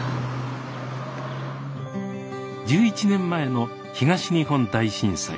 １１年前の東日本大震災。